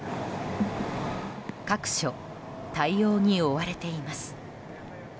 各所対応に追われています。